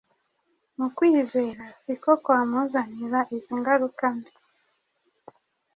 mu kwizera si ko kwamuzaniye izi ngaruka mbi?